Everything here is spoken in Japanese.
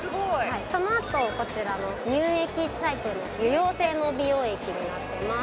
その後こちらの乳液タイプの油溶性の美容液になってます